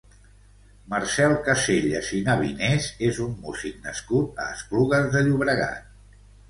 Marcel Casellas i Navinés és un music nascut a Esplugues de Llobregat.